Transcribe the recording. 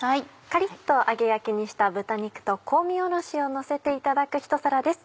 カリっと揚げ焼きにした豚肉と香味おろしをのせていただくひと皿です。